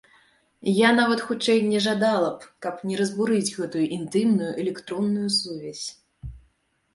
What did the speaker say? Я нават, хутчэй, не жадала б, каб не разбурыць гэтую інтымную электронную сувязь.